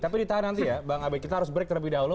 tapi ditahan nanti ya bang abe kita harus break terlebih dahulu